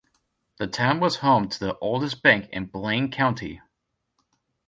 The town was home to the oldest bank in Blaine County.